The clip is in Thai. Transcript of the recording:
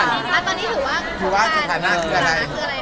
ตอนนี้ถือว่าสถานะคืออะไร